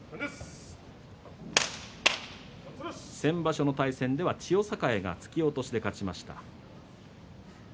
先場所の対戦では千代栄が突き落としで勝ちました。